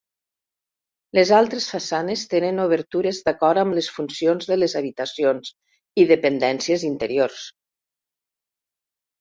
Les altres façanes tenen obertures d'acord amb les funcions de les habitacions i dependències interiors.